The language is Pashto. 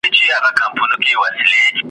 خو هستي یې نه درلوده ډېر نېسمتن وه !.